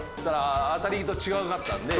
当たりと違かったので。